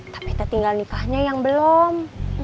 tapi tetinggal nikahnya yang belum